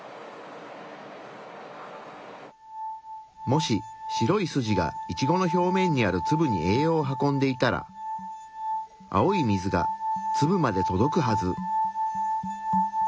もし白い筋がイチゴの表面にあるツブに栄養を運んでいたら青い水がツブまで届くはず。